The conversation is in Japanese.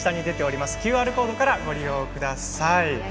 ＱＲコードからご利用ください。